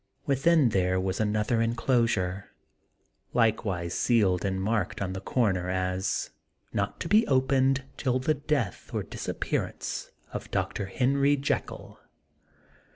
Within there was another inclosure, likewise sealed and marked on the comer as, " Not to be opened till the death or disappearance of Dr. Henry Jekyll."